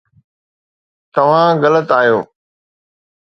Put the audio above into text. توهان غلط آهيو